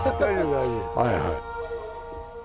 はいはい。